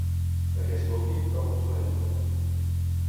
Aquest últim, com les va ajudar?